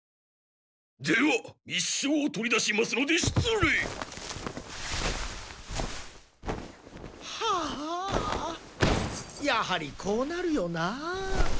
では密書を取り出しますのでしつ礼！はあやはりこうなるよなあ。